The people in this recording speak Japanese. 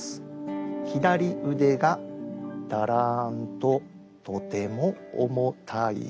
「左腕がだらんととても重たい」。